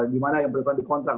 gimana yang perlu dikontrak